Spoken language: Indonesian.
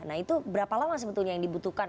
nah itu berapa lama sebetulnya yang dibutuhkan